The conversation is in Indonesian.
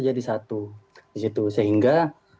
jadi satu sehingga